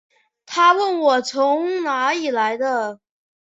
她问我从哪里来的